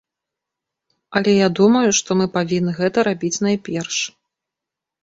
Але я думаю, што мы павінны гэта рабіць найперш.